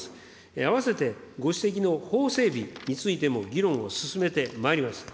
あわせてご指摘の法整備についても議論を進めてまいります。